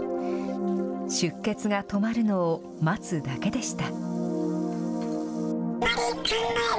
出血が止まるのを待つだけでした。